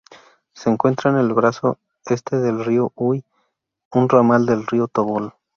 Se encuentra en el brazo este del río Uy, un ramal del río Tobol.